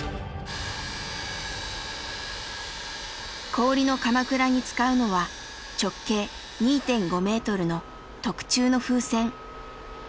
氷のかまくらに使うのは直径２．５メートルの特注の風船。